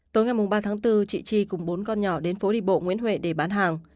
tối ngày ba tháng bốn chị chi cùng bốn con nhỏ đến phố đi bộ nguyễn huệ để bán hàng